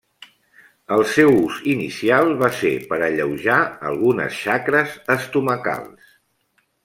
El seu ús inicial va ser per alleujar algunes xacres estomacals.